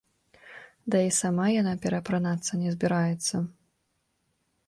Ды і сама яна пераапранацца не збіраецца.